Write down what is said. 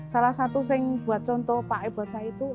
salah satu yang buat contoh pak e buat saya itu